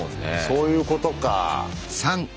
そういうことか。